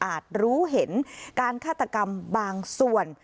รู้เห็นการฆาตกรรมบางส่วน